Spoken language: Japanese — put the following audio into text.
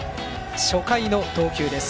初回の投球です。